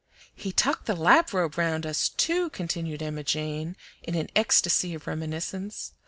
"He tucked the lap robe round us, too," continued Emma Jane, in an ecstasy of reminiscence.